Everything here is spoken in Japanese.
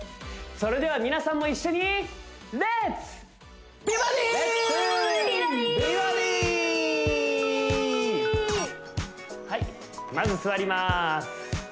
それでは皆さんも一緒にはいまず座りまーす